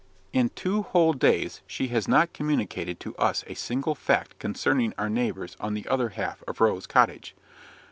"In two whole days she has not communicated to us a single fact concerning our neighbours on the other half of Rose Cottage."